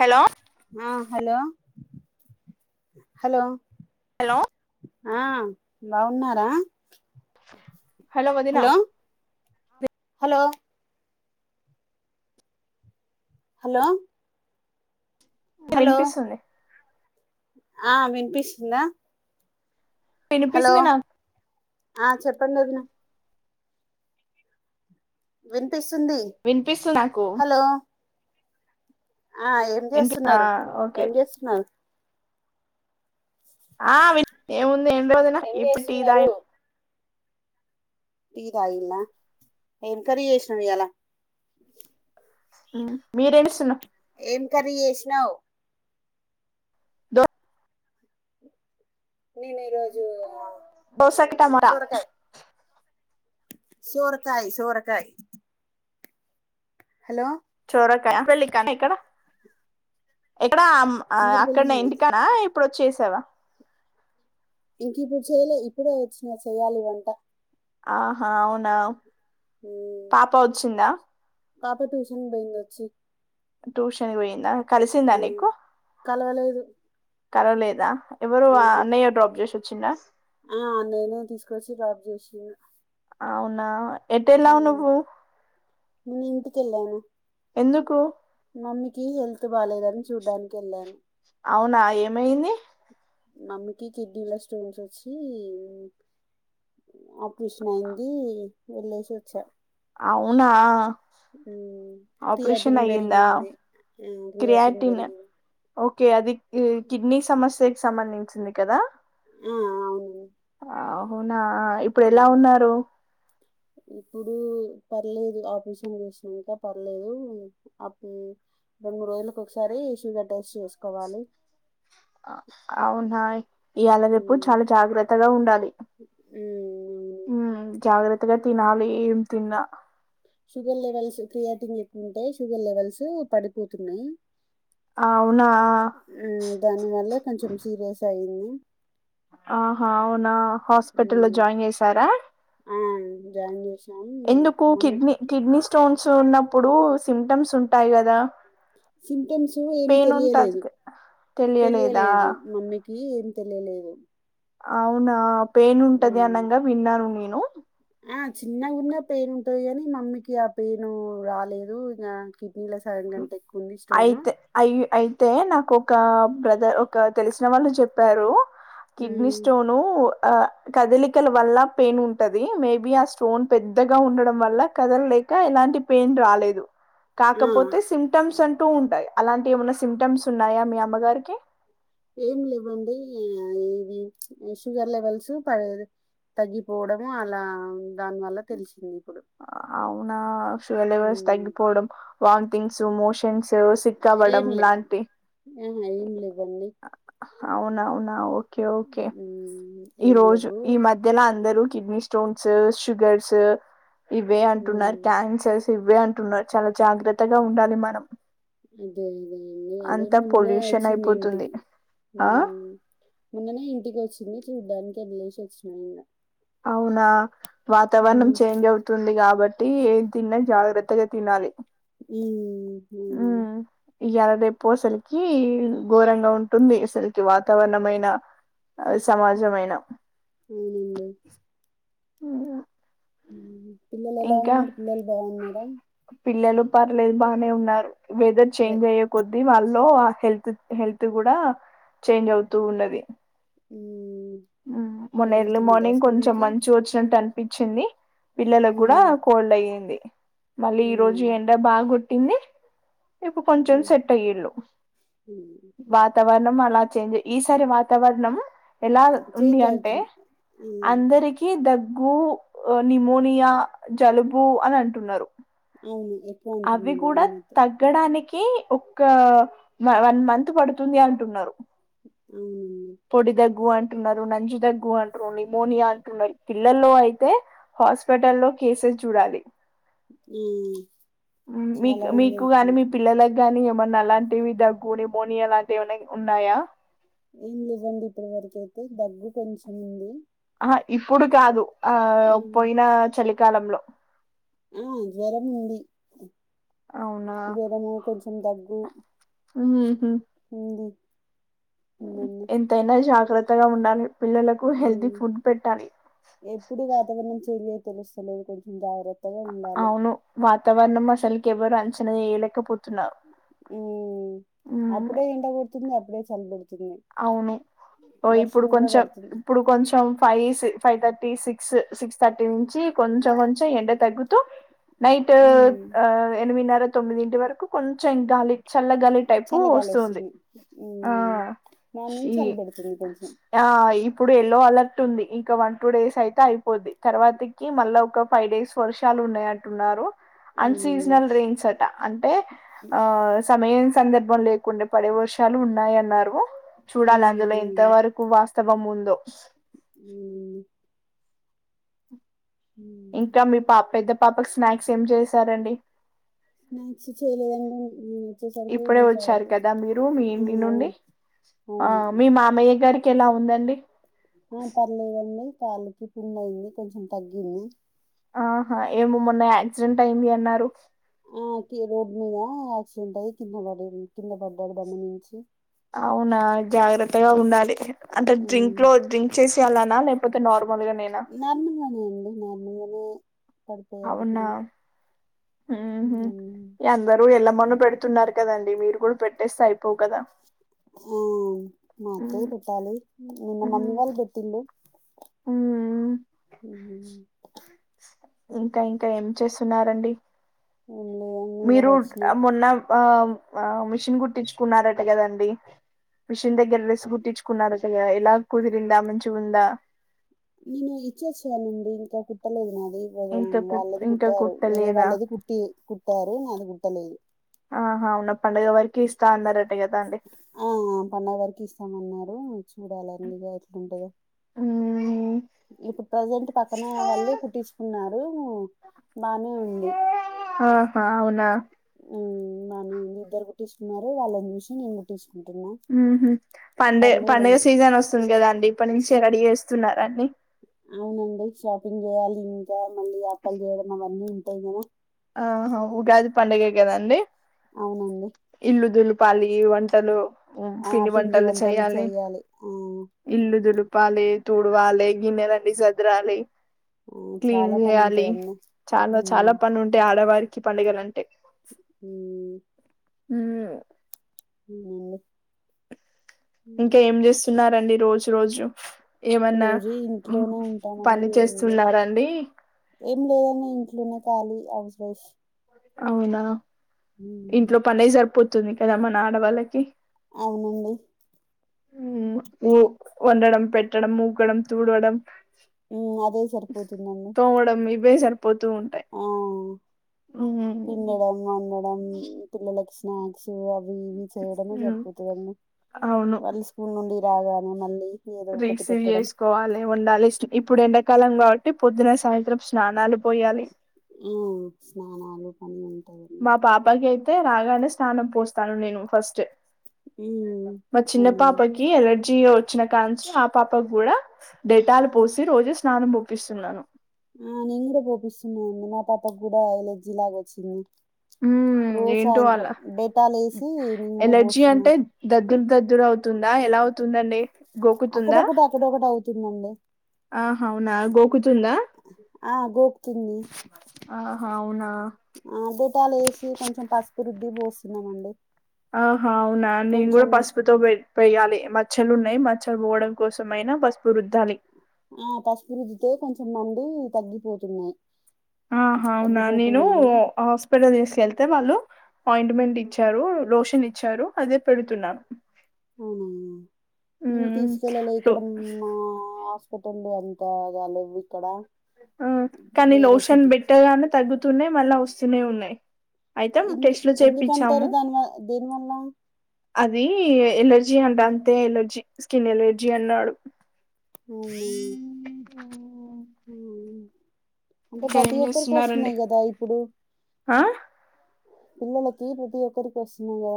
Hello ఆ hello hello hello ఆ బాగున్నారా స హలో వదినా హలో హలో న హలో వినిపిస్తుంది ఆ వినిపిస్తుందా హలో వినిపిస్తుంది నాకు ఆ చె పండి వదినా పిస్తుంది వినిపిస్తుంది నాకు హలో ఆ ఏం వినిపి ఆ చేస్తున్నారు ఓకే ఏం చేస్తున్నారు ఆ వి నందిన ఏం ఈప్పుటి చేస్తున్నారు ఇదాయం తీటీదయిలా ఏమ్ కరీ చేసినవ్ ఇయాల మీరేడుస్తున్నా ఏం కర్రీ చేసినవ్ దా నేను ఈరోజు దోశ కట్ట టమోటా సోరకాయ సోరకాయ సోరకాయ హలో ఇక్కడ అక్కడ జింజర్ పెళ్లి అక్కడ ఉంది ఏంటిక అప్పుడు వచ్చసావా ఇంక ఇప్పుడు చేయలే ఇప్పుడే వచ్చినా చెయాలి వంట ఆహా అవునా ఉమ్ పాప వచ్చిందా పాప ట్యూషన్ పోయింద వచ్చి దోష పోయిందా ఆ కలిసిందానీకు కలవలేదు కలవలేద ఎవరు ఆహా అయ్య డ్రాప్ చేస చిన్న ఆ ఆన్లైనే తీసుకొచ్చి డ్రాప్ చేసి అవునా ఎట ఎలా ఉన్న పోూ మీ ఇంటికెళ్లేన ఎందుకు మమ్మీకి హెల్త్ బాగాలేదని చూడ్డానికి వెళ్ళాను అవునా ఏమయింది మమ్మకి కిడ్నీల స్టోన్స్ వచ్చి ఆపరేషన్ అయింది వెళ్ళేసి వచ్చా అవునా ఆపరేషన్ క్రియేటింగ్ అయ్యిందా పెరిగింది క్రియేటింగ్ పెరిగింది కే అది ఈ కిడ్నీ సమస్య సంబంధించింది కదా ఆ అవును నా ఇప్పుడు ఎలా ఉమ్, ఉన్నారు ఇప్పుడు పర్లేదు ఆపరేషన్ చేసినక పర్లేదు అప్పు రెండు మూడు రోజులలకు ఒకసారి షుగర్ టెస్ట్ చేసుకోవాలి అవునా ఈయాళరేపు చాలా జాగ్రత్తగా ఉండాలి మ్మ్ జాగ్రత్తగ తినాలి ఎం తిన్నా షుగర్ లెవెల్స్ క్రియేటింగ్ ఎక్వ ఉంటే షుగర్ లెవెల్స్ పడిపోతున్నాయి ఆ దాని వల్ల కొంచెం సీరియస్ అయింది ఆహా అవునా హాస్పిటల్ లో హ్మ్. జాయిన్ చేసారా ఆ జాయిన్ చేసి ఎందుకు కిడ్నీ కిడ్నీ స్టోన్ చూన్నప్పుడు సిమ్టమ్స్ ఉంటాయి కదా సిటమ్స్ ఏం పెయిన్ ఉంటది తెలియలేదు తెలియలేదా తెలియలేదు మమ్మీకి ఏం తెలిలేదు అవునా పెయిన్ ఉంటది హ్మ్. అనంగా విన్నాను నేను హ ఆ చిన్నగున్న పెయిన్ ఉంటంది కాని మమ్మీకి ఆ పెయిన్ రాలేదు ఇక అయితే అయి అయితే నాకు ఒక బ్రదర్ ఒక తెలిసిన వాళ్ళు చెప్పారు కిడ్నీ హ్మ్. స్టోను ఆ కదలికల వల్ల పెయిన్ ఉంటది మేబి ఆ స్టోన్ పెద్దగా ఉండడం వల్ల కదలలేక ఎలాంటి పెయిన్ రాలేదు కాకపో ఆ! సిమ్టమ్స్ అంటూ ఉంట ఆహ్ అలాంటివి ఏమన్నా సిమ్టమ్స్ ఉన్నాయా మీ అమ్మగారికి ఏం లేవండి ఇది షుగర్ లెవెల్స్ ప తగ్గిపోవడము అలా దానివల్ల తెలిసిందిప్పుడ్ ఆహ్ అవునా షుగర్ లెవెల్స్ ఉమ్, తంగిపోవడం వాన్థింగ్సు మోషన్స్ తో ఏం సిక్కవడం లేవు లాంటి ఆహా ఏం లేవండి అవునవునావు ఓకే ఓకే ఉమ్, ఈ ఏం రోజు లేవు ఈ మధ్యలా అందరు కిడ్నీ స్టోన్స్ షుగర్స్ ఇవే అంటున్నారు ఉమ్, క్యాన్సర్స్ ఇవ్వే అంటున్నారు చాలా జాగ్రత్తగా ఉండాలి మనం అదే అదే అన్న అదే అంతా మొన్ననే పొల్యూషన్ వచ్చింది అయిపోతుంది ఇంటికి ఆ మొన్ననే ఇంటికి వచ్చింది చూడ్డానికి వెళ్లేసి వచ్చిన నేను అవునా వాతావరణం చేంజ్ అవుతుంది కాబట్ టి ఏన్ తిన్న జాగ్రత్తగా తినాలి ఉహ్ ఆహ్ ఈయలా రేపో సలికి ఘోరంగా ఉంటుంది అసలుకి వాతావరణమైన ఆహ్ సమాజమైన అవునండి. ఉమ్, ఉహ్ పిల్లలు ఎలా ఇంకా ఉన్నారు పిల్లలు బాగున్నారా పిల్లలు పర్లేదు బాగనే ఉన్నారు. వెదర్ చేంజ్ అయ్యే కొద్ద్దీ వాళ్ళ లో హెల్త్ హెల్త్ కూడా చేంజ్ అవుతూ ఉన్నది. ఉహ్ ఆహ్ మొన్న ఎర్లీ మార్నింగ్ కొంచెం మంచు వచ్చినట్టు అని పిచ్చింది పిల్లలకు కూడా హ్మ్. కోల్డ్ అయింది మళ్ళీ ఈ రోజు హ్మ్. ఎండ బాగు గో ఎన్ని ఇప్పు కొంచెం హ్మ్. సెట్ అయ్యిల్లు హ్మ్. వాతావరణం లా చేంజే ఈ సారి వాతావరణం ఎల్ ఉంది చేంజ్ అంటే అవుతుంది. హ్మ్. అందరికీ దగ్గ్ గు నిమోనియా జలుబు అని అంటున్నారు ఎవాలి అవి కూడా తగ్గడానికి కి ఒక వన్ మంత్ పడుతుంది అంటున్నారు అవునండి. న [unintelligible] జు దగ్గు అంటున్నారు మోనియా అంటున్నారు పిల్లల్లో అయితే హాస్పిటల్లో కేసెస్ చూడాలి ఉ మీకు మీకు గాని మీ పిల్లల గాని ఏమన్నా అలాంటివి దగ్గు నిమోనియా అలాంటివి ఏమన్నా ఉన్నాయా ఏం లేదండి ఇప్పటి వరకు అయితే దగ్గు కొంచెం ఉంది ఆ ఇప్పుడు కాదు ఆ హ్మ్. పోయినా చలి కాలంలో ఆ జ్వరము ఉంది అవునా జ్వరము కొంచెం దగ్గు ఉహూ ఉంది ఎంత అయినా జ గ్రత్తగా ఉండాలి పిల్లలకు హెల్తీ మ్మ్ ఫుడ్ పెట్టాలి ఎప్పుడు వాతావరణం చలే తెలుస్తలేదు కొంచెం జాగ్రత్త అవును వాతవరణం అసలకి ఎవరు అంచనా వేయ్యాలేం కపుల్ ఉమ్ అప్పుడే ఎండ పెడు తుంది అప్పుడే చలి బెడి అవును ఇప్పుడు కూడా కొంచెం పడుతుంది ఇప్పుడు కొంచెం five five thirty six six thirty నుంచి కొంచెం కొంచెం ఎండ తగ్గుతూ నైట్ ఉమ్ ఎనిమిది నర తొమ్మిది ఇంటి వరకు కొంచెం గాలి చల్లగాలి టైపు వస్తుంది ఆ ఉమ్ మార్నింగ్ చలి ఉను పెడుతుంది కొంచెం ఆ ఇప్పుడు ఎ లో అలర్ట్ ఉంది ఇక వన్ టూ డేస్ అయితే అయిపోద్ది తర్వాతకి మళ్ళా ఒక ఫైవ్ డేస్ వర్షాలు ఉన్నాయ అంటున్నారు అవునండి అన్సీజనల్ రింగ్స్ అట అంటే ఆ సమయ సందర్భం లేకుండా పడే వర్షాలు ఉన్నాయ అన్నారు చూడాలి ఉమ్ అందులో ఇంతవరకు వాస్త క్షణం ముందు మ్మ్ ఇంకా మీ పాపెద్ద పాపకు స్నాక్స్ ఏం చేశారండి స్నాక్స్ చేయలేదండి నేను వచ్చేసరికి ఇప్పుడే నిమిషం వచ్చారు అయితది కదా మీరు మీ ఆ ఇంటి నుండి అవును కెలా ఉందండి ఆ పర్లేదండి కాలికి పుండైంది కొంచెం తగ్గింది ఆహా ఏమో మొన్న యాక్సిడెంట్ అయింది అన్నారు ఆ కీ రోడ్ మీద ఆక్సిడెంట్ అయ్యి కింద పడిండ్ కింద పడ్డాడు బండి మీంచి అవునా జాగ్రత్తగా ఉండాలి అంటే డ్రింక్ లో డ్రింక్ చేస్ అలనలేం నార్మల్గానే అండి నార్మల్ గా మ్మ్ అవునా మ్మ్ హ్మ్ ఉమ్ అందరూ ఎల్లా మ పెడుతున్నారు కదండి మీరు కూడా పెట్టేస్తే అయిపోవు కదా మ్మ్ మాకు ఉమ్ పెట్టాలి నిన్న మమ్మీ వాళ్ళు పెట్టిల్లు మ్మ్ మ్మ్ ఇంకా ఏం ఇంకా ఏం చేస్ తున్నారండి లేదని ఇంగ మీరు వచ్చిన ఆ మొన్న ఆమ్ ఆమ్ మిషిన్ కుట్టిచ్చుకున్నారట కదండి మిషిన్ దగ్గర డ్రెస్ కుట్టిచ్చుకున్నారట కదా ఏ లా కుదిరింది మంచి టుందా నేను ఇచ్చి వచ్చానండి ఇంకా కుట్టలేదు నాక్ దీగద ఇంకా కు వాళ్ళది ఇంకా కుట్టారు వేరే కుట్టలేదా వాళ్ళది కుట్టి కుట్టారు నాది కుట్టలేదు ఆహా అవునా పండుగ వరికి ఇస్తా అన్నార ఆ ఆ పండుగ వరకు ఇస్తామన్నారు చూడాలండిక ఎట్లుంటదో మ్మ్ మ్మ్ ఇప్పుడు ప్రజెంట్ పక్కన వాళ్ళు కుట్టిచ్చుకున్నార్ డేమో ఆహా అవునా మ్మ్ బానే ఉంది ఇద్దరు కుట్టిచ్చుకున్నారు వాళ్ళని చూసి నేను కుట్టిచ్చిన మ్మ్ హ్మ్ పండే పడగ సీజన్ వస్తుంది కదండి అప్ప నుంచె రేడి వేస్తున్నారన్ని అవునండి షాపింగ్ చేయాలి ఇంకా మళ్ళీ ఆప్పల్ చేయడం అవన్నీ ఉంటాయి కదా ఆహా ఉగాది పండుగ కదండి అవునండి పాలి వంటలు హు ఆ పిండి వంటలు చెయాలి చేయాలి ఆ ఇల్లుదులు ప్పాలి తుడువాలి గిన్నెలన్ని సదురాలి ఆ క్లీన్ చాలా పని చేయాలి ఉంటదండి చాలా హ్మ్ చాలా పని ఉం వరికి పండుగ నంటే హు హుమ్ ఊ మ్ ఇంకా ఏం చేస్తున్నారండి రోజు రోజు ఏమన్నా రోజు మ్, ఇంట్లోనే ఉంటానండి పని ఇగ ఏం లేదు చేస్తున్నారండి ఏం లేదని ఇంట్లోనే కాళీ అవీలేష్ అవునా ఇంట్లో పనే సరిపోత్ తుంది కదా మన ఆడవాళ్ళకి అవునండి ఉమ్, ఊ వండడం పెట్టడం ఊకడం తూడవడం హ్మ్ అదే సరిపోతుందండి తోమడం ఇవే సార్ ఆ ఉమ్, పిండడం వండడం పిల్లలక్ స్ నాస్న్క్స్ అవి ఇవి చేయడమే ఉమ్, సరిపోతది అండి వాళ్ళు స్కూల్ నుండి రాగానే మళ్ళీ ఏదో ఒకటి రిసీవ్ పెట్టడం చేసుకోవాలి వండాలి ఇప్పుడు ఎండాకాలం కాబట్టి పొద్దున సాయంత్రం స్నానాలు పోయ్యలి ఆ స్నానాలు పని ఉంటాయి మా పాపకి అయితే రాగానే స్నానం పోస్తాను నేను ఫస్ట్ ఉమ్ మ చిన్న అవునండి పాపకి ఎలా జియో వచ్చిన కంచి ఆ పాపక్కుడా డేటాలు పో- పోసి రోజు స్నానం ప్ ప్పిస్తున్నాను ఆ నేను కూడా పోపిస్తున్నానండి మా పాపకు కూడా ఎలర్జిలాగా వచ్చింది ఉమ్ రోజు ఏంటో వాళ్ళ సాయంత్రం డేటాలు వేసి నేను కూడా ఎలర్జీ పోస్తున్నా అంటే దగ్గర దగ్దుర అవుతుందా ఎలా తుందండి అక్కడ్ ఒకటి అక్కడోకటి అ తున్నండి ఆహా అవునా గోకుతుందా ఆ గోకుతుంది ఆహా అవునా ఆ బిటాలేసి కొంచెం పసుపు రుద్ది పోస్త అవునండి ఆహ అవునా నేన్ కూడా పసుపుతో పోయాలి మ బట్టలు ఉన్నాయి మచ్చలు పోవడం కోసంమయినా బస్ ఆ పసుపురుర్ది కొంచెం తున్నంది తగ్గిపోతున్నయి ఆహ అవునా నేనూ హాస్పిటల్ తీసుకెళ్తే వాళ్ళు అపాయింట్మెంట్ ఇచ్చారు రోషన్ ఇచ్చారు అదే పెడుతున్నాను అవునా అంది మేము మ్మ్ తీసుకెళ్ళలే ఇక్కడ మా ఎక్కుతుంది అంతగాలేదండి ఇక్కడ ఆ కనీ వేరే లోషన్ సిటీ బెట్టర్ గానే తగ్గుతున్నాయి మళ్ళా వ స్తునె ఉన్నాయి్ అయితే ఎందు టెస్ట్లు ఎందుకంటారు చేప్పించాము దాని వ దేని వల్ల అది ఎలర్ జీ అంట అంతే ఎలర్జీ స్కిన్ ఎలర్జీ అన్నాడు అవునా ఉహు అంటే ప్రతి ఒక్కరికి వస్తున్నాయి కదా ఇప్పుడు ఆ పిల్లలకి తీరు బతి ఒక్కరికి వస్తున్నాంగా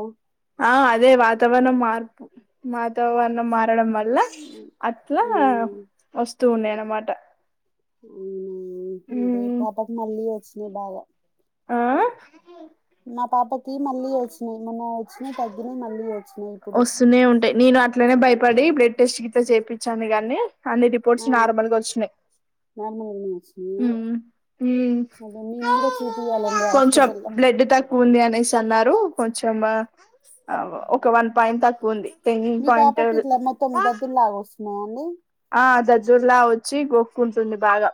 ఆ అదే వాతావరణం మార్పు వాతావరణం మారడం వల్ల అట్ట మ్మ్ వస్తూ ఉన్నాయనమాట అవున ఉమ్ పాపకి మళ్ళీ వచ్చి ఇ బాగ ఆ మా పాపకి మళ్ళీ వచ్చినయి మొన్న వచ్చినాయి తగ్గినాయి మళ్ళీ వచ్చినాయి ఇప్పుడు పడి బ్లడ్ టెస్ట్ కిట్ల చేపించాను గానీ అన్ని రిపోర్ట్స్ ఆ నార్మల్గ వచ్చినాయి్ నార్మల్గానే వచ్చినాయా ఉమ్ అదే మేము కూడా చూపియాలండి కొంచం హాస్పిటల్లో బ్లడ్ తక్కువ ఉంది అనేసి అన్నారు కొంచం ఒక వన్ పాయింట్ తక్కువ ఉంది టెన్ మీ పాయింట్ పాప కిట్ల మ తొమ్ దద్దుర్ లాగ వస్తున్నాయ్ ము ఆ జజ్జర్లా వచ్చి గొక్కుంటుంది బాగా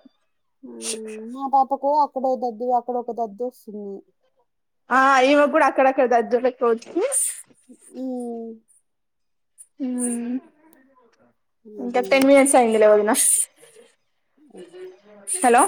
ఊ మా పాప కో ఆక్కడో దదు ఆ అక్కడ ఒక దద్దొస్తుంది ఆ ఇమ కూడా కూడా అక్కడ అక్కడ దదుర్ లెక్క ఒచ్చి ఊ ఉ ఊ ఇంకా ఇది టెన్ మినిట్స్యిందిలే ఒదిన ఆ అ హలో